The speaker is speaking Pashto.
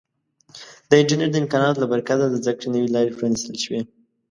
د انټرنیټ د امکاناتو له برکته د زده کړې نوې لارې پرانیستل شوي.